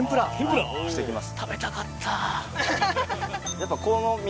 していきます。